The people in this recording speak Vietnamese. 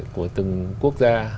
của từng quốc gia